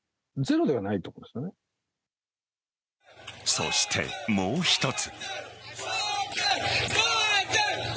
そして、もう一つ。